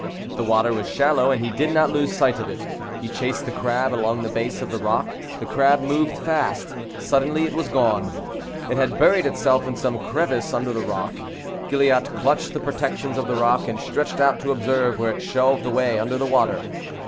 The water was shallow, and he did not lose sight of it. He chased the crab along the base of the rock; the crab moved fast. Suddenly it was gone. It had buried itself in some crevice under the rock. Gilliatt clutched the protections of the rock, and stretched out to observe where it shelved away under the water.